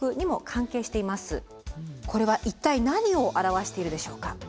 これは一体何を表しているでしょうか？